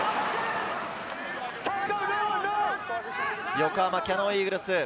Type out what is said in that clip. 横浜キヤノンイーグルス。